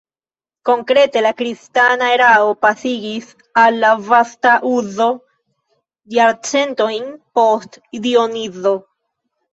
Konkrete la kristana erao pasigis al la vasta uzo jarcentojn post Dionizo.